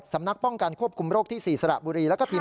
สำนักป้องกันควบคุมโรคที่๔สระบุรี